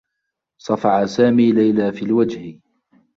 صفع سامي ليلى في الوجه.